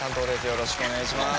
よろしくお願いします。